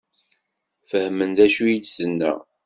Fehmen d acu i d-tenna?